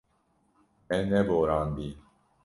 Me neborandiye.